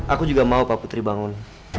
aku juga mau pak putri bangun